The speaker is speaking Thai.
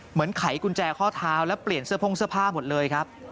ไขกุญแจข้อเท้าแล้วเปลี่ยนเสื้อโพ่งเสื้อผ้าหมดเลยครับ